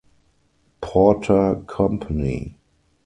Porter Company.